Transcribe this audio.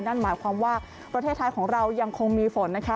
นั่นหมายความว่าประเทศไทยของเรายังคงมีฝนนะคะ